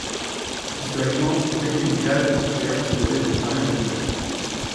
Historiquement, chaque ville ou village portuaire se devait de préparer un équipage.